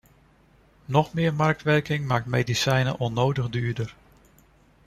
Nog meer marketing maakt medicijnen onnodig duurder.